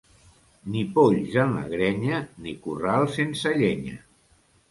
Ni polls en la grenya, ni corral sense llenya.